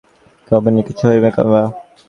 আমি ভাবিয়াছিলাম, খুব একটা গোপনীয় কিছু হইবে বা।